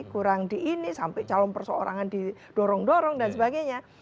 kurang di ini sampai calon perseorangan didorong dorong dan sebagainya